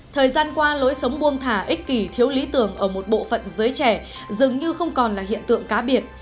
thời gian qua lối sống buông thả xì thiếu lý tưởng ở một bộ phận giới trẻ dường như không còn là hiện tượng cá biệt